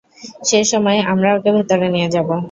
সেসময়, আমরা ওকে ভেতরে নিয়ে যাবো।